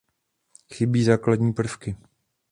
Chybí základní prvky.